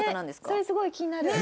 それすごい気になる。